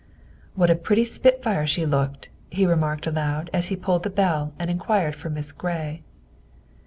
" What a pretty spitfire she looked," he remarked aloud as he pulled the bell and inquired for Miss Gray.